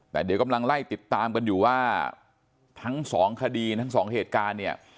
แต่เดี๋ยวกำลังไล่ติดตามกันอยู่ว่าทั้งสองคดีทั้งสองเหตุการณ์เนี่ย